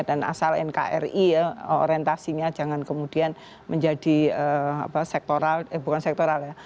dan asal nkri ya orientasinya jangan kemudian menjadi sektoral eh bukan sektoral ya